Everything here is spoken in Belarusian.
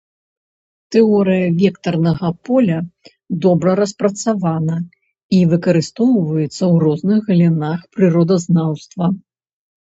Тэорыя вектарнага поля добра распрацавана і выкарыстоўваецца ў розных галінах прыродазнаўства.